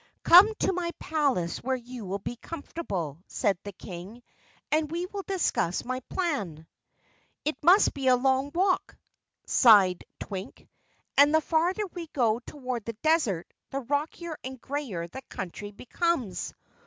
"Come to my palace where you will be comfortable," said the King, "and we will discuss my plan." "It must be a long walk," sighed Twink. "And the farther we go toward the Desert, the rockier and grayer the country becomes."